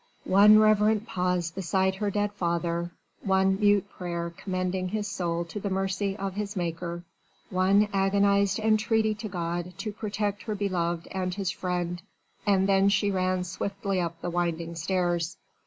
One reverent pause beside her dead father, one mute prayer commending his soul to the mercy of his Maker, one agonised entreaty to God to protect her beloved and his friend, and then she ran swiftly up the winding steps.